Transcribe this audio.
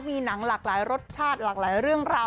มีหนังหลากหลายรสชาติหลากหลายเรื่องราว